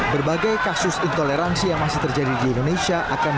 berbagai kasus intoleransi yang masih terjadi di indonesia